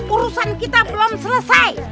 urusan kita belum selesai